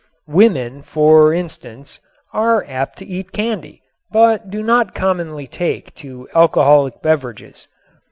Women, for instance, are apt to eat candy but do not commonly take to alcoholic beverages.